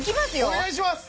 お願いします